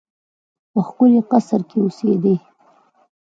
په ښکلي قصر کې اوسېدی.